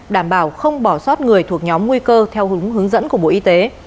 đảm bảo không bỏ sót người thuộc nhóm nguy cơ theo hướng hướng dẫn của bộ y tế